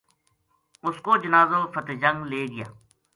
اُس کو جنازو فتح جنگ لے گیا